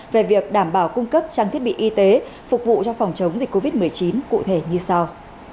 về việc đảm bảo cung cấp trang thiết bị y tế phục vụ cho phòng chống dịch covid một mươi chín cụ thể như sau